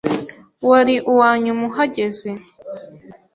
Wari uwanyuma uhageze.